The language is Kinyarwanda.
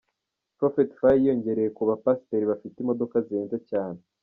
Prophet Fire yiyongereye ku bapasiteri bafite imodoka zihenze cyane.